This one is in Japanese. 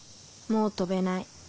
もう飛べない。